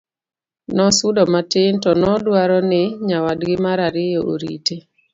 nosudo matin to nodwaro ni nyawadgi mar ariyo orite